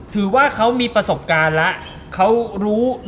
ถือว่าเค้ามีประสบการณ์แล้วเค้ารู้นู่นนี่นั่นแล้ว